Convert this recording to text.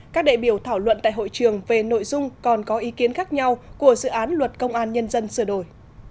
các đại biểu thảo luận tại hội trường về nội dung còn có ý kiến khác nhau của dự án luật công an nhân dân sửa đổi